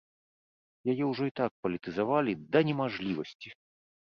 Яе ўжо і так палітызавалі да немажлівасці!